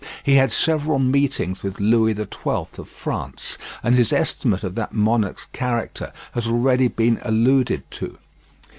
He had several meetings with Louis XII of France, and his estimate of that monarch's character has already been alluded to.